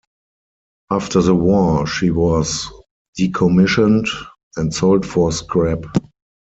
After the war, she was decommissioned and sold for scrap.